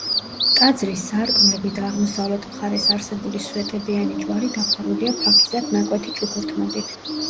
ტაძრის სარკმლები და აღმოსავლეთ მხარეს არსებული სვეტებიანი ჯვარი დაფარულია ფაქიზად ნაკვეთი ჩუქურთმებით.